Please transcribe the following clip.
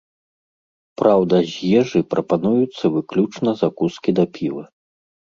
Праўда, з ежы прапануюцца выключна закускі да піва.